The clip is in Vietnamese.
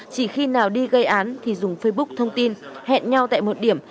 chỉ khi nào đi gây án thì dùng facebook thông tin hẹn nhau tại một điểm